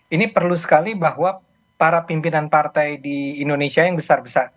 ini perlu sekali bahwa para pimpinan partai di indonesia yang besar besar